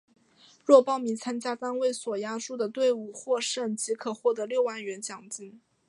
若报名参加单位所押注的队伍获胜即可获得六万元奖金。